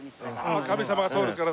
あっ神様が通るからだ。